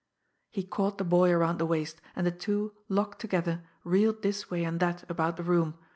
He caught the boy around the waist, and the two, locked together, reeled this way and that about the room.